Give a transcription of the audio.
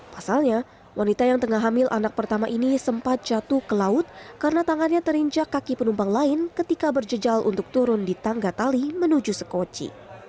pasalnya wanita yang tengah hamil anak pertama ini sempat jatuh ke laut karena tangannya terinjak kaki penumpang lain ketika berjejal untuk turun di tangga tali menuju sekoci